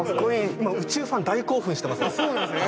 今宇宙ファン大興奮してます。